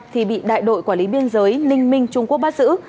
thì bị đại đội quản lý biên giới ninh minh trung quốc bắt giữ